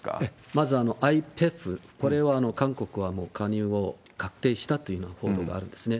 まずアイペフ、これは韓国はもう加入を確定したというような報道があるんですね。